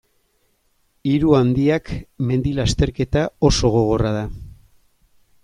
Hiru handiak mendi-lasterketa oso gogorra da.